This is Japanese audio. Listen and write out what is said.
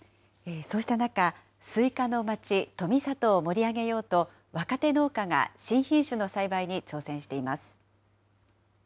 そうした中、スイカの街、富里を盛り上げようと、若手農家が新品種の栽培に挑戦しています。